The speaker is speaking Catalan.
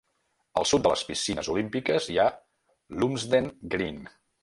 Al sud de les Piscines Olímpiques hi ha Lumsden Green.